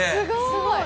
すごい。